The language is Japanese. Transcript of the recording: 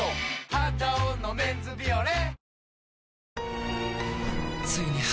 「肌男のメンズビオレ」